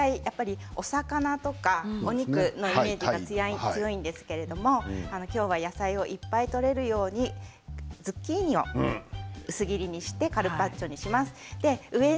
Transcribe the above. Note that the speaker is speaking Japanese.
カルパッチョというとお魚とかお肉のイメージが強いんですけれど今日は野菜をいっぱいとれるようにズッキーニを薄切りにしてカルパッチョにします。